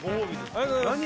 ありがとうございます